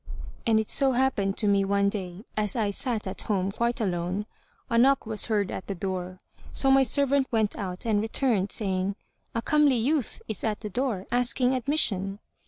And it so happened to me one day, as I sat at home quite alone, a knock was heard at the door; so my servant went out and returned, saying, "A comely youth is at the door, asking admission."